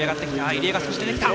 入江が出てきた。